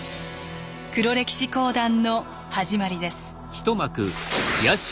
黒歴史講談の始まりです。